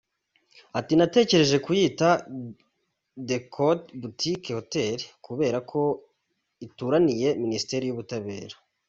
Ati “Natekereje kuyita The Court Boutique Hotel, kubera ko ituraniye Minisiteri y’Ubutabera.